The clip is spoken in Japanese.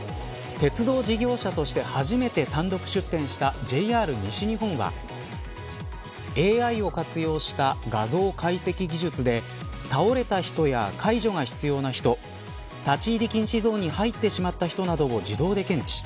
鉄道事業者として初めて単独出展したＪＲ西日本はＡＩを活用した画像解析技術で倒れた人や介助が必要な人立ち入り禁止ゾーンに入ってしまった人などを自動で検知。